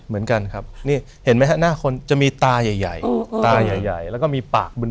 เหมือนกันครับนี่เห็นไหมฮะหน้าคนจะมีตาใหญ่ตาใหญ่แล้วก็มีปากบน